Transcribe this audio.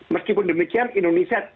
meskipun demikian indonesia tersebut